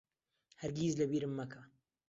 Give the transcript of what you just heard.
هەرگیز لەبیرم مەکە.